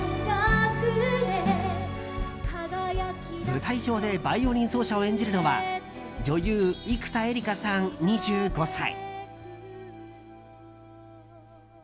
舞台上でバイオリン奏者を演じるのは女優・生田絵梨花さん、２５歳。